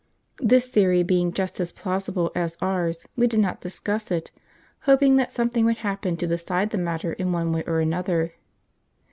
This theory being just as plausible as ours, we did not discuss it, hoping that something would happen to decide the matter in one way or another.